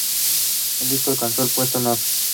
El disco alcanzó el puesto Nro.